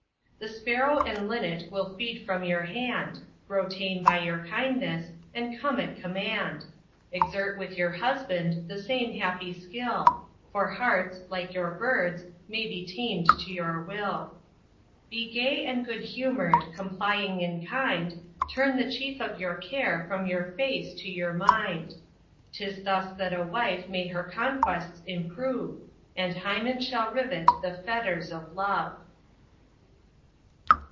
The sparrow and linnet will feed from your hand, Grow tame by your kindness, and come at command: Exert with your husband the same happy skill, For hearts, like your birds, may be tamed to your will. Be gay and good humour'd, complying and kind, Turn the chief of your care from your face to your mind; 'Tis thus that a wife may her conquests improve, And Hymen shall rivet the fetters of love.